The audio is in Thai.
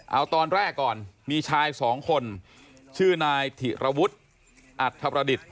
เอาตอนแรกก่อนมีชายสองคนชื่อนายถิระวุฒิอัธประดิษฐ์